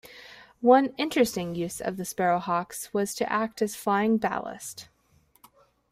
One interesting use of the Sparrowhawks was to act as 'flying ballast'.